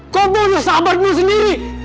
kau bunuh sahabatmu sendiri